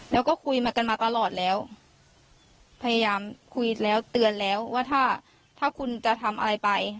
แล้วก็คุยมากันมาตลอดแล้วพยายามคุยแล้วเตือนแล้วว่าถ้าถ้าคุณจะทำอะไรไป